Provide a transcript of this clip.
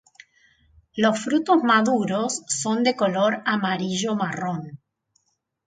Los frutos maduros son de color amarillo-marrón.